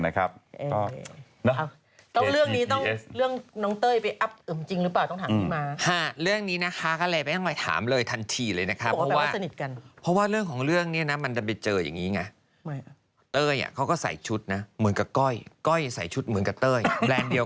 ดึมขึ้นมาตัหนตี